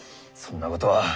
そんなことは！